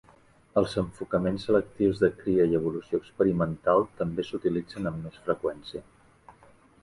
Els enfocaments selectius de cria i evolució experimental també s'utilitzen amb més freqüència.